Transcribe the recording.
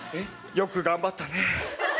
よく頑張ったね。